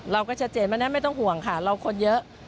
เราก็ชัดเจนเพราะฉะนั้นไม่ต้องห่วงค่ะเราคนเยอะ